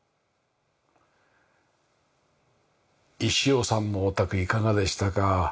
石尾さんのお宅いかがでしたか？